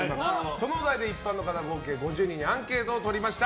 そのお題で一般の方合計５０人にアンケートを取りました。